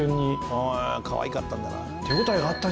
「ああかわいかったんだな」